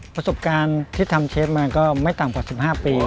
ประสบการณ์ที่ทำเชฟมาก็ไม่ต่ำกว่า๑๕ปี